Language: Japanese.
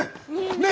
ねえ。